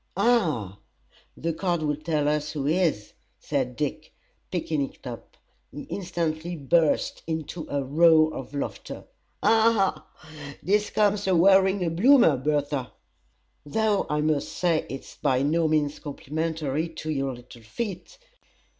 "Ha! the card will tell us who he is," said Dick, picking it up. He instantly burst into a roar of laughter. "Ha! ha! This comes of wearing a Bloomer, Bertha! Though I must say it's by no means complimentary to your little feet.